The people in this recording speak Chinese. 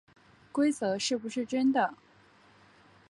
规则是不是真的